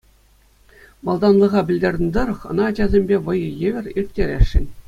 Малтанлӑха пӗлтернӗ тӑрӑх, ӑна ачасемпе вӑйӑ евӗр ирттересшӗн.